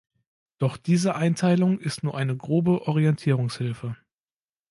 Doch diese Einteilung ist nur eine grobe Orientierungshilfe.